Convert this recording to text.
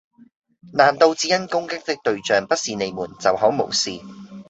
難道只因攻擊的對象不是你們就可無視